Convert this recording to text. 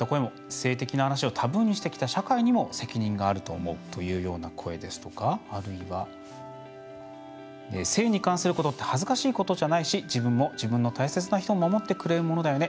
「性的な話をタブーにしてきた社会にも責任があると思う」というような声ですとかあるいは「性に関することって恥ずかしいことじゃないし自分も自分の大切な人も守ってくれるものだよね。